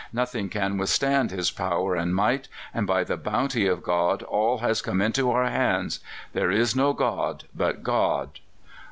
Nothing can withstand His power and might, and by the bounty of God all has come into our hands. There is no God but God.